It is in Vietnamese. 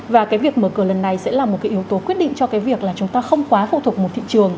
và cái việc mở cửa lần này sẽ là một cái yếu tố quyết định cho cái việc là chúng ta không quá phụ thuộc một thị trường